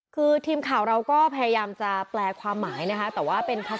คือทีมข่าว